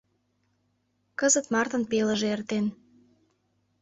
Кызыт мартын пелыже эртен.